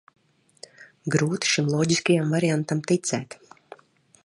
Grūti šim loģiskajam variantam ticēt.